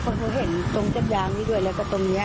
เขาเห็นตรงจัยบรรยายนี้นะแล้วก็ตรงนี้